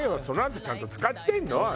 そのあとちゃんと使ってるの？